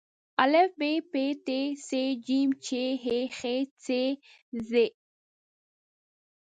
ا ب پ ت ټ ث ج چ ح خ څ ځ